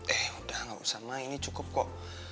eh udah gak usah mah ini cukup kok